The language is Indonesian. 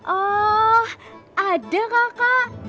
oh ada kakak